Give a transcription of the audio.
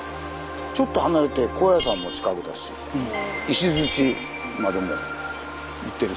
ちょっと離れて高野山も近くだし石までも行ってる。